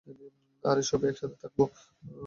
আর, সবাই একসাথেই থাকবো।